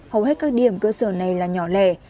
hầu hết các điểm cơ sở này là nhỏ lẻ